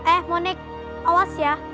eh monik awas ya